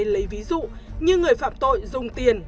lấy ví dụ như người phạm tội dùng tiền